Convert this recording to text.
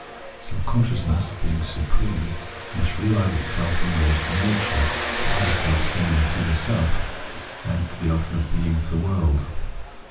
Self consciousness, being supreme, must realise itself in relation to nature, to other selves similar to the self, and to the Ultimate Being of the world.